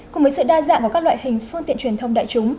cùng với sự đa dạng của các loại hình phương tiện truyền thông đại chúng